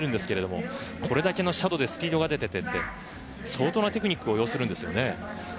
けれけどもこれだけの斜度でスピードが出て相当なテクニックを要するんですよね。